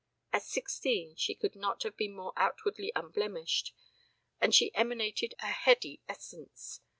At sixteen she could not have been more outwardly unblemished, and she emanated a heady essence.